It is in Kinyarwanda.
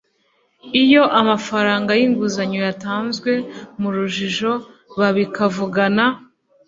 iyo amafaranga y’inguzanyo yatanzwe mu rujijo babikavugana